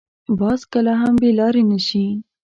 باز کله هم بې لارې نه شي